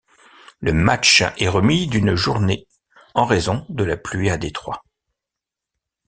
Le match est remis d'une journée en raison de la pluie à Détroit.